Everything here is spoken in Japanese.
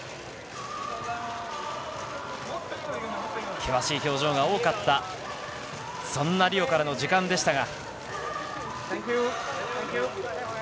険しい表情が多かった、そんなリオからの時間でしたが。